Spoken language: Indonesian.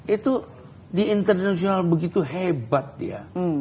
itu di internasional begitu hebat dia